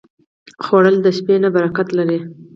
خوړل د شپهنۍ برکت لري